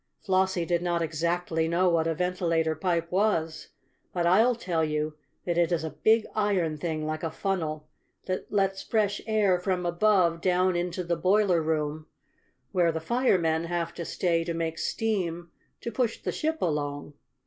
Flossie did not exactly know what a ventilator pipe was, but I'll tell you that it is a big iron thing, like a funnel, that lets fresh air from above down into the boiler room where the firemen have to stay to make steam to push the ship along.